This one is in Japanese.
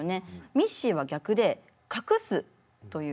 ミッシーは逆で隠すという。